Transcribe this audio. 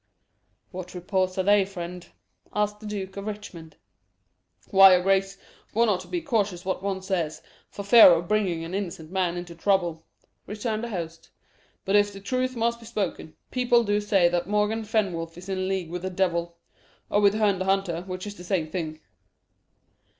"What reports are they, friend?" asked the Duke of Richmond. "Why, your grace, one ought to be cautious what one says, for fear of bringing an innocent man into trouble," returned the host. "But if the truth must be spoken, people do say that Morgan Fenwolf is in league with the devil or with Herne the Hunter, which is the same thing."